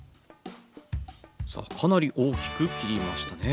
さあかなり大きく切りましたね。